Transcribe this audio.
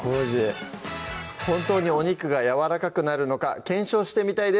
本当にお肉がやわらかくなるのか検証してみたいです